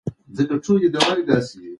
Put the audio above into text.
شاه محمود د اصفهان د فتح لپاره تیار و.